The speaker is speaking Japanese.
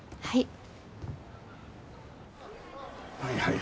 はい。